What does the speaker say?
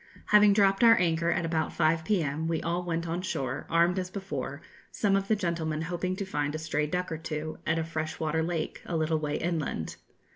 Having dropped our anchor at about 5 p.m., we all went on shore, armed as before, some of the gentlemen hoping to find a stray duck or two, at a fresh water lake, a little way inland.